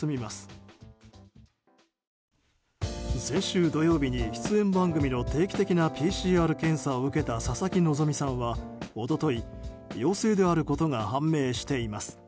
先週、土曜日に出演番組の定期的なＰＣＲ検査を受けた佐々木希さんは一昨日、陽性であることが判明しています。